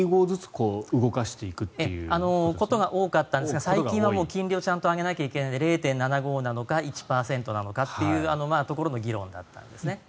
そういうことが多かったんですが最近は金利をちゃんと上げないといけないので０．７５％なのか１％なのかというところの議論だったんですね。